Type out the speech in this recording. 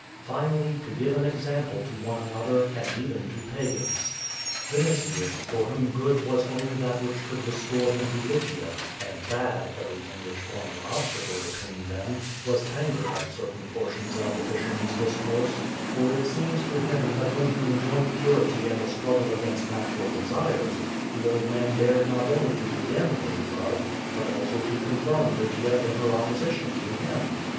Finally, to give an ex ample to one another^ and even to pagans. Yinitius, for whom good was only that which could restore to him Lygia, and bad everything which formed an obstacle between them^ was angered at certain portions of the fisher man's discourse; for it seemed to him that when he enjoined purity and a struggle against natural desires, the old man ydared not only to condemn his love, but also to confirm Lygia in her opposition to him.